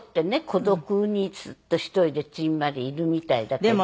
孤独にずっと１人でちんまりいるみたいだけど。